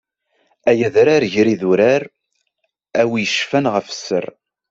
Ay adrar gar idurar, a wi yeccfan ɣef sser.